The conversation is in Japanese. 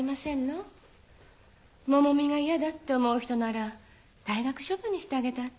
百美が嫌だって思う人なら退学処分にしてあげたって。